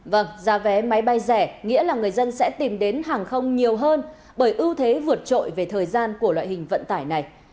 vâng giá vé máy bay rẻ nghĩa là người dân sẽ tìm đến hàng không nhiều hơn bởi ưu thế vượt trội về thời gian của loại hình vận tải này